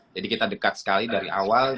jadi kita dekat sekali dari awal